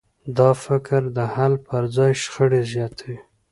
دا فکر د حل پر ځای شخړې زیاتوي.